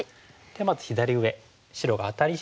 まず左上白がアタリして。